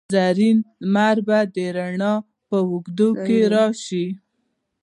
زرین لمر به د روڼا په اوږو راشي